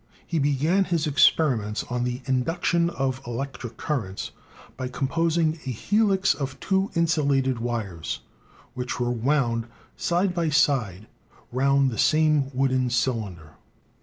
"He began his experiments 'on the induction of electric 184 ELECTRICITY currents' by composing a helix of two insulated wires, which were wound side by side round the same wooden cylinder.